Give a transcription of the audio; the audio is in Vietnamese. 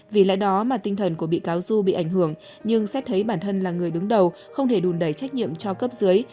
vì lẽ đó mà tinh thần của bị cáo du bị ảnh hưởng nhưng xét thấy bản thân là người đứng đầu không thể đùn đẩy trách nhiệm cho cấp dưới